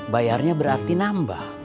bayarnya berarti nambah